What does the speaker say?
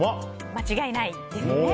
間違いないですね。